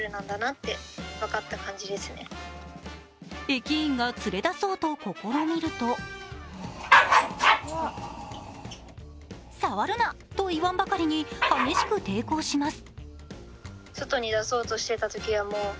駅員が連れ出そうと試みると触るな！と言わんばかりに激しく抵抗します。